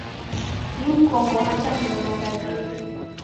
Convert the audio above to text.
Ni mkongo hata ndounagha dilo.